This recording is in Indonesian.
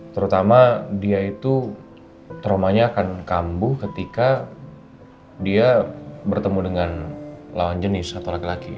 terutama dia itu traumanya akan kambuh ketika dia bertemu dengan lawan jenis atau laki laki